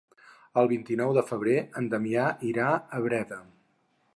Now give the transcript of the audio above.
El vint-i-nou de febrer en Damià irà a Breda.